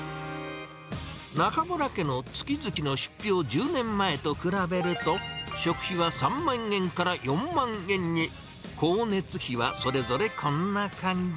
中邑家の月々の出費を１０年前と比べると、食費は３万円から４万円に。光熱費はそれぞれこんな感じ。